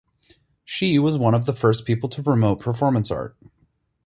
She was one of the first people to promote performance art.